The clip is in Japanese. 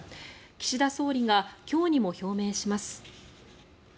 岸田総理が今日にも表明します。